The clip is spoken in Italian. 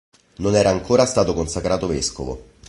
Non era ancora stato consacrato vescovo.